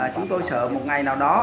chúng tôi sợ một ngày nào đó